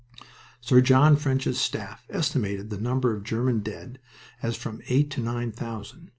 Sir John French's staff estimated the number of German dead as from eight to nine thousand.